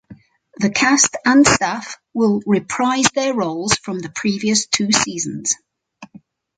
The cast and staff will reprise their roles from the previous two seasons.